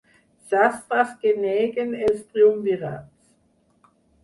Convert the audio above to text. Sastres que neguen els triumvirats.